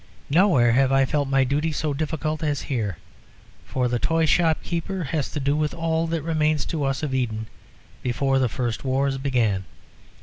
Nowhere have I felt my duty so difficult as here. For the toy shop keeper has to do with all that remains to us of Eden before the first wars began.